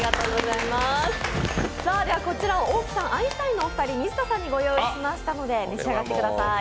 大木さん、アインシュタインのお二人、水田さんに、ご用意いたしましたのでお召し上がりください。